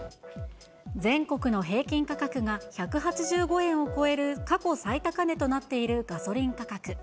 全国の平均価格が１８５円を超える過去最高値となっているガソリン価格。